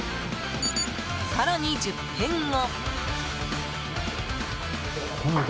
更に１０分後。